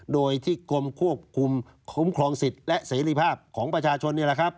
โดยที่กรมควบคุมคุ้มครองสิทธิ์และเสรีภาพของประชาชนนี่แหละครับ